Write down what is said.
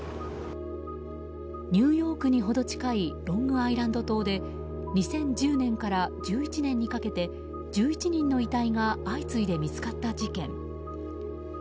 ニューヨークに程近いロングアイランド島で２０１０年から１１年にかけて１１人の遺体が相次いで見つかった事件。